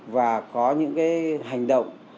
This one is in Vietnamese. và có những cái hành động